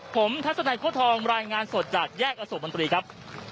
ผมทัศนัยโค้ทองรายงานสดจากแยกอโศกมนตรีครับ